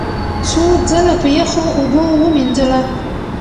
څو ځله په یخو اوبو ومینځله،